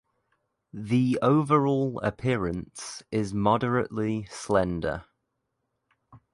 The overall appearance is moderately slender.